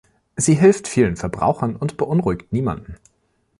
Sie hilft vielen Verbrauchern und beunruhigt niemanden.